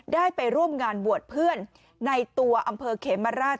ได้ไปร่วมงานบวชเพื่อนในตัวอำเภอเขมราช